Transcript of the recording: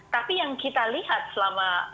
tapi yang kita lihat selama